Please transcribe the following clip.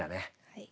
はい。